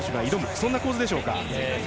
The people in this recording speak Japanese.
そんな構図でしょうか？